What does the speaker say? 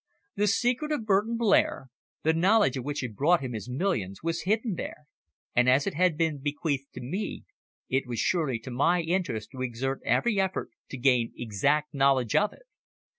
The secret of Burton Blair, the knowledge of which had brought him his millions, was hidden there, and as it had been bequeathed to me it was surely to my interest to exert every effort to gain exact knowledge of it.